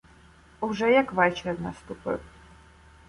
Уже як вечір наступив.